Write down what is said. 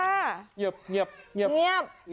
เงียบเงียบเงียบ